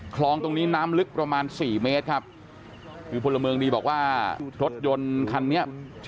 คลองตรงนี้น้ำลึกประมาณสี่เมตรครับคือพลเมืองดีบอกว่ารถยนต์คันนี้